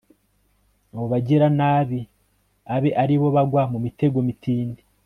abo bagiranabi abe ari bo bagwa mu mitego mitindi